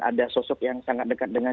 ada sosok yang sangat dekat dengan